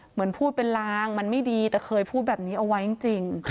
เหมือนพูดเป็นลางมันไม่ดีแต่เคยพูดแบบนี้เอาไว้จริง